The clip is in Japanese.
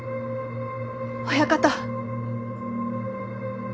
親方。